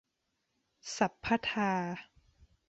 สัพพะทา